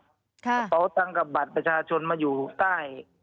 กระเป๋าตั้งกับบัตรประชาชนมาอยู่ใต้